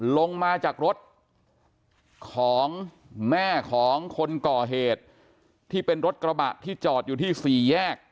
ลงมาจากรถของแม่ของคนก่อเหตุที่เป็นรถกระบะที่จอดอยู่ที่สี่แยก